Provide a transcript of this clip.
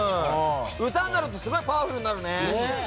歌になるとすごいパワフルになるね。